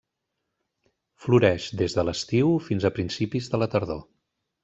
Floreix des de l'estiu fins a principis de la tardor.